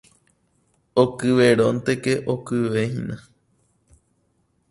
Okyvérõnteke okyvehína.